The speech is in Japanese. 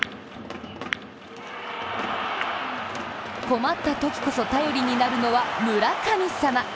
困ったときこそ頼りになるのは村神様。